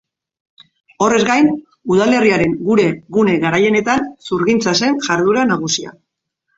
Horrez gain, udalerriaren gune garaienetan zurgintza zen jarduera nagusia.